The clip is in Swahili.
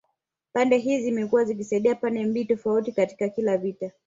Pande hizi zimekuwa zikisaidia pande mbili tofauti katika kila vita